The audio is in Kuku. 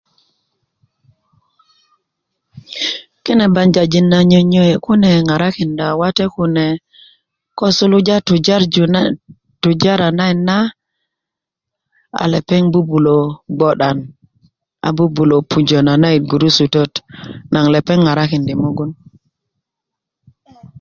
kine bajajin na nyönyöye kune ŋarakinda wate kune ko suluja tujarju tujara nayit na ko bubulö gbo'dan a bubulö pujö nanayit gurusutöt na lepeŋ ŋarakindi mugun